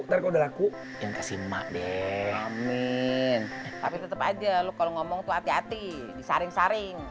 laku udah laku yang kasih mak deh amin tapi tetep aja lu kalau ngomong tuh hati hati disaring saring